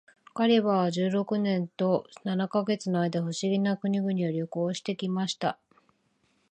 ガリバーは十六年と七ヵ月の間、不思議な国々を旅行して来ました。